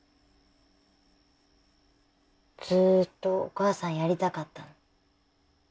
ずっとお母さんやりたかったの。